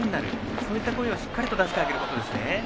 そういった声をしっかりと出してあげることですね。